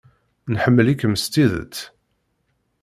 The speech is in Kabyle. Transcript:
Nḥemmel-ikem s tidet.